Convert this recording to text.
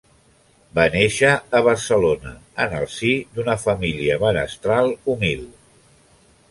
Va néixer a Barcelona en el si d’una família menestral humil.